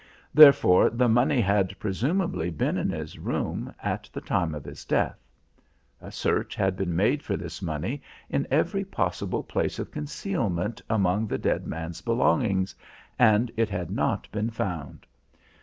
Therefore the money had presumably been in his room at the time of his death. A search had been made for this money in every possible place of concealment among the dead man's belongings, and it had not been found.